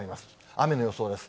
雨の予想です。